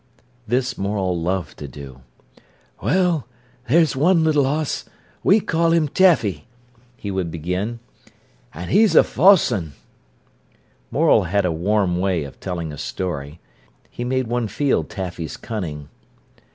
This Morel loved to do. "Well, there's one little 'oss—we call 'im Taffy," he would begin. "An' he's a fawce un!" Morel had a warm way of telling a story. He made one feel Taffy's cunning.